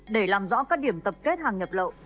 để làm rõ các điểm tập kết hàng nhập lậu